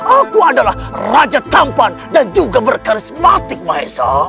aku adalah raja tampan dan juga berkarismatik maesa